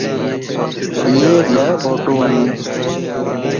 ايي ڏھه ڦوٽوون